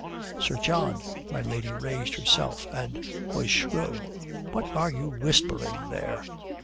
"Sir John" my lady raised herself and was shrill "what are you whispering there?"